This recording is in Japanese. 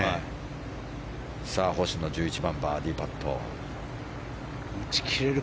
星野１１番、バーディーパット。